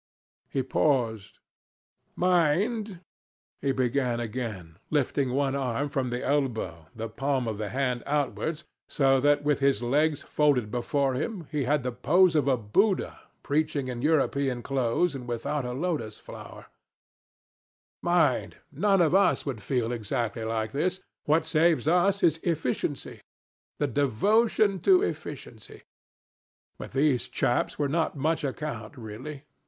He paused. "Mind," he began again, lifting one arm from the elbow, the palm of the hand outwards, so that, with his legs folded before him, he had the pose of a Buddha preaching in European clothes and without a lotus flower "Mind, none of us would feel exactly like this. What saves us is efficiency the devotion to efficiency. But these chaps were not much account, really.